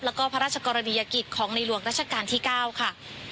แล้วก็พระราชกรณียกิจของในหลวงราชการที่๙ค่ะ